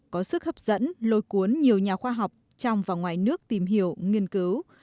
có sức hấp dẫn lôi cuốn nhiều nhà khoa học trong và ngoài nước tìm hiểu nghiên cứu